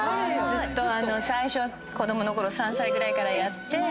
ずっと最初子供のころ３歳ぐらいからやって。